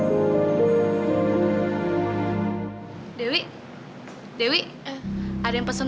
mau sembunyi dong